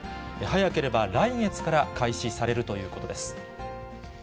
早ければ来月から開始されるということです。